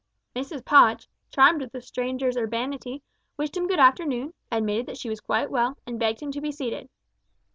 Mrs Podge, charmed with the stranger's urbanity, wished him good afternoon, admitted that she was quite well, and begged him to be seated.